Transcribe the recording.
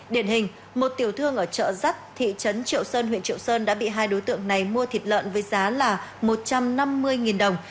điển hình một tiểu thương ở chợ rắc thị trấn triệu sơn huyện triệu sơn đã bị hai đối tượng này mua thịt lợn với giá là một trăm năm mươi đồng